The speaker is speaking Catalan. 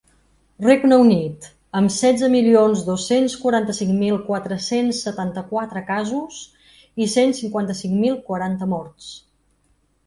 Regne Unit, amb setze milions dos-cents quaranta-cinc mil quatre-cents setanta-quatre casos i cent cinquanta-cinc mil quaranta morts.